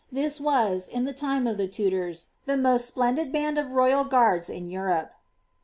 This was, in the time of the Tudors, the most splendid band of royal guards in Europe.